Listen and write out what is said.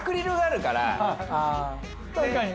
確かに。